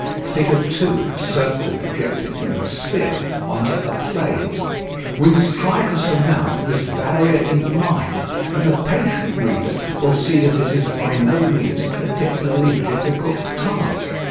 [Figure 2: A circle projected from a sphere onto a plane] We must try to surmount this barrier in the mind, and the patient reader will see that it is by no means a particularly difficult task.